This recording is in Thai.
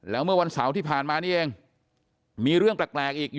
แล้วเมื่อวันเสาร์ที่ผ่านมานี่เองมีเรื่องแปลกอีก